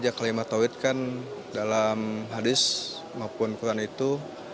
ya kalimat tawhid kan dalam hadis maupun quran itu